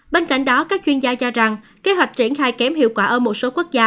bên cạnh đó các chuyên gia cho rằng kế hoạch triển khai kém hiệu quả ở một số quốc gia